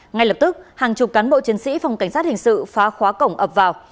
ngay lập tức hàng chục cán bộ chiến sĩ phòng cảnh sát hình sự phá khóa cổng ập vào